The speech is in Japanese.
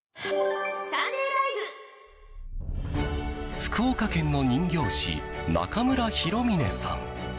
福岡県の人形師中村弘峰さん。